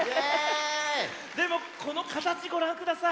でもこのかたちごらんください。